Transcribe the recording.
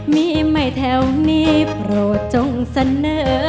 มีไม่แถวนี้โปรดจงเสนอ